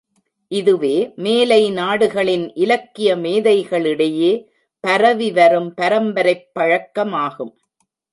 இதுவே மேலை நாடுகளின் இலக்கிய மேதைகளிடையே பரவிவரும் பரம்பரைப் பழக்கமாகும்.